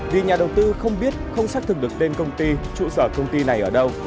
vì nhà đầu tư không biết không xác thực được tên công ty trụ sở công ty này ở đâu